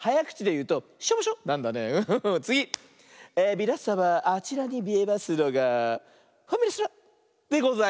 みなさまあちらにみえますのが「ファミレスラ」でございます。